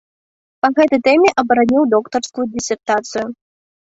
Па гэтай тэме абараніў доктарскую дысертацыю.